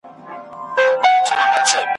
شپې که هر څومره اوږدې وي عاقبت به لمر ځلیږي `